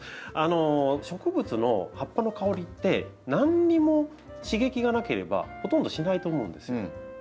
植物の葉っぱの香りって何にも刺激がなければほとんどしないと思うんですよ。